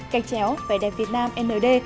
cách chéo vẻ đẹp việt nam md